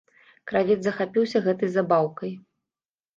Кравец захапіўся гэтай забаўкай.